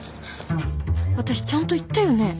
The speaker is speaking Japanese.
私ちゃんと言ったよね？